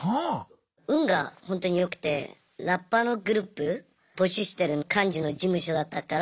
運がほんとに良くてラッパーのグループ募集してる感じの事務所だったから。